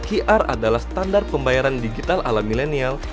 qr adalah standar pembayaran digital ala milenial